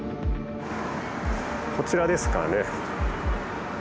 こちらですかね。